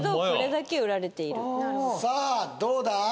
それだけ売られているさあどうだ？